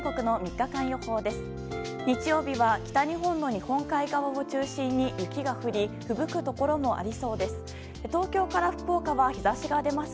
日曜日は、北日本の日本海側を中心に雪が降りふぶくところもありそうです。